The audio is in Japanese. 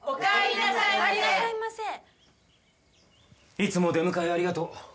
いつも出迎えありがとう。